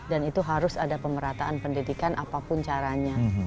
dan itu harus ada pemerataan pendidikan apapun caranya